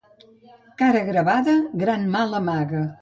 Cara gravada, gran mal amaga.